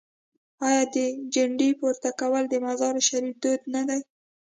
آیا د جنډې پورته کول د مزار شریف دود نه دی؟